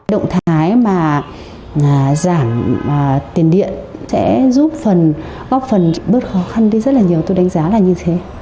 động thái giảm tiền điện sẽ giúp góp phần bớt khó khăn rất nhiều tôi đánh giá là như thế